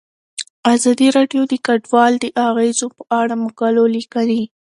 ازادي راډیو د کډوال د اغیزو په اړه مقالو لیکلي.